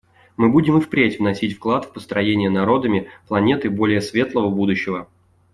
Мы будем и впредь вносить вклад в построение народами планеты более светлого будущего.